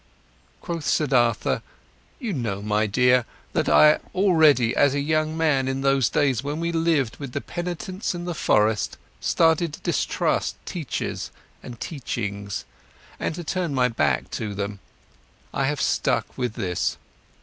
Quoth Siddhartha: "You know, my dear, that I already as a young man, in those days when we lived with the penitents in the forest, started to distrust teachers and teachings and to turn my back to them. I have stuck with this.